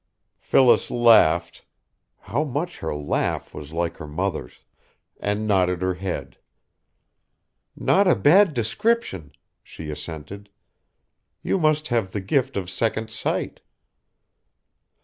Phyllis laughed how much her laugh was like her mother's and nodded her head. "Not a bad description," she assented; "you must have the gift of second sight."